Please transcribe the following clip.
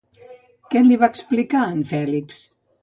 Què li va explicar en Fèlix?